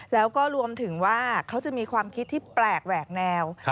แล้วก็รวมถึงว่าเขาจะมีความคิดที่แปลกแหวกแนว